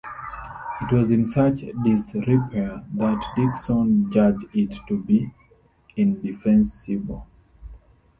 It was in such disrepair that Dickson judged it to be indefensible.